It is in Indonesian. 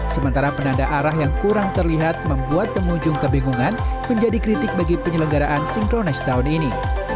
sementara penanda arah yang kurang terlihat membuat pengunjung kebingungan menjadi kritik bagi penyelenggaraan synchronize tahun ini